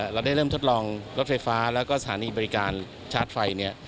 เราได้เริ่มทดลองรถไฟฟ้าแล้วก็สถานีบริการชาร์จไฟ